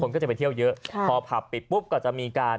ก็จะไปเที่ยวเยอะพอผับปิดปุ๊บก็จะมีการ